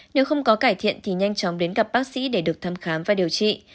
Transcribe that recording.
nếu không có cải thiện thì nhanh chóng đến gặp bác sĩ để được thăm khám và điều trị